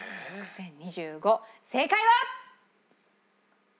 正解は？